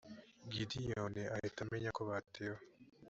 gideyoni ahita amenya ko batewe